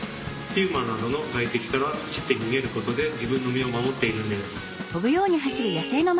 ピューマなどの外敵から走って逃げることで自分の身を守っているんです。